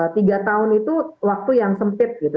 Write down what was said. tiga tahun itu waktu yang sempit gitu